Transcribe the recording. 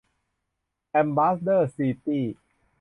แอมบาสเดอร์ซิตี้